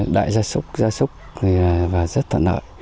đại gia súc gia súc và rất thuận nợ